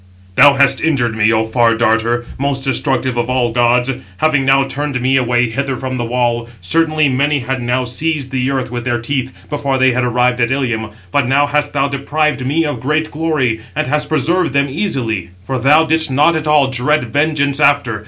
"Thou hast injured me, O Far darter, most destructive of all gods, having now turned me away hither from the wall; certainly many had now seized the earth with their teeth, before they had arrived at Ilium. But now hast thou deprived me of great glory, and hast preserved them easily, for thou didst not at all dread vengeance after.